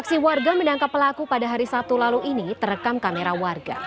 aksi warga menangkap pelaku pada hari sabtu lalu ini terekam kamera warga